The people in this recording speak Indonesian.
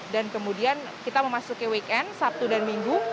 dan kemudian kita memasuki weekend sabtu dan minggu